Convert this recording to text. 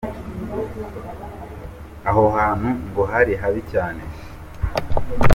Aho hantu ngo ho hari habi cyane.